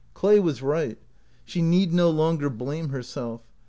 Clay was right. She need no longer blame herself.